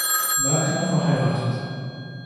Wagner verheiratet.